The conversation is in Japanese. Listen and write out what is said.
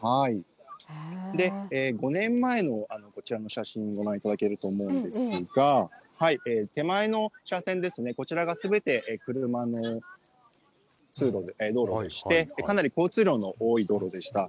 ５年前のこちらの写真、ご覧いただけると思うんですが、手前の車線ですね、こちらがすべて車の道路でして、かなり交通量の多い道路でした。